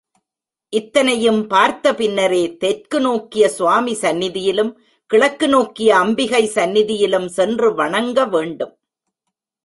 இத்தனையும் பார்த்த பின்னரே தெற்கு நோக்கிய சுவாமி சந்நிதியிலும் கிழக்கு நோக்கிய அம்பிகை சந்நிதியிலும் சென்று வணங்கவேண்டும்.